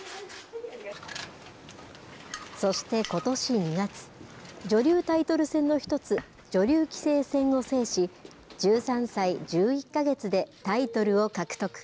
そしてことし２月、女流タイトル戦の一つ、女流棋聖戦を制し、１３歳１１か月でタイトルを獲得。